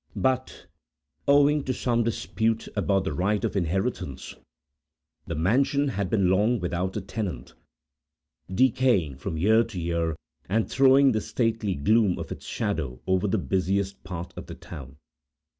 But, owing to some dispute about the right of inheritance, the mansion had been long without a tenant, decaying from year to year, and throwing the stately gloom of its shadow over the busiest part of the town.